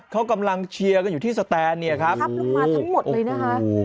เขากำลังเชียร์อยู่ที่แสตน์ครับเขาทับลงมาทั้งหมด